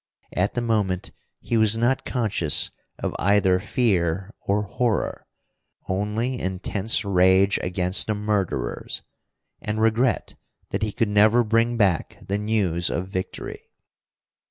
At the moment he was not conscious of either fear or horror, only intense rage against the murderers and regret that he could never bring back the news of victory.